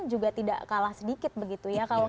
juga tidak kalah sedikit begitu ya